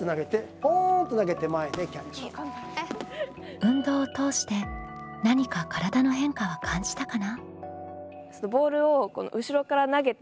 運動を通して何か体の変化は感じたかな？